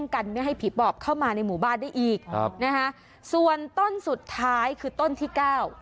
กันไม่ให้ผีปอบเข้ามาในหมู่บ้านได้อีกครับนะฮะส่วนต้นสุดท้ายคือต้นที่เก้า